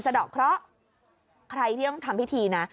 ดอกเคราะห์ใครที่ต้องทำพิธีนะ